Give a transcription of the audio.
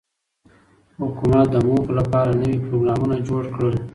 حکومت د موخو له پاره نوي پروګرامونه جوړ کړل.